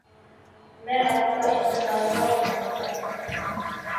میں آپ کا انتظار کر رہا تھا۔